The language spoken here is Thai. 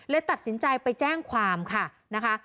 ตัดสินใจไปแจ้งความค่ะนะคะ